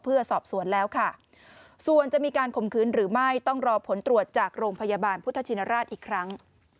เพื่อสอบสวนแล้วค่ะส่วนจะมีการข่มขืนหรือไม่ต้องรอผลตรวจจากโรงพยาบาลพุทธชินราชอีกครั้ง